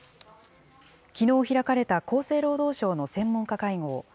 きのう開かれた厚生労働省の専門家会合。